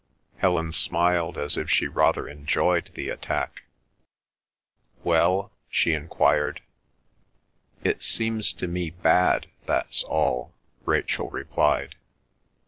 Helen smiled as if she rather enjoyed the attack. "Well?" she enquired. "It seems to me bad—that's all," Rachel replied.